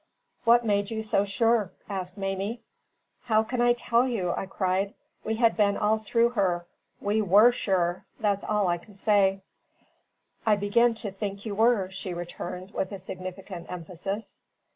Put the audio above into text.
"What made you so sure?" asked Mamie. "How can I tell you?" I cried. "We had been all through her. We WERE sure; that's all that I can say." "I begin to think you were," she returned, with a significant emphasis.